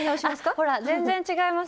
ほら全然違います。